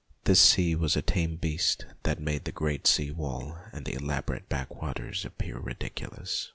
This sea was a tame beast that made the great sea wall and the elaborate breakwaters appear ridiculous.